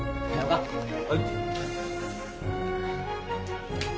はい。